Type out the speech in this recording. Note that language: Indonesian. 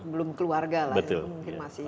belum keluarga lah yang masih single